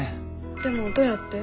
でもどうやって？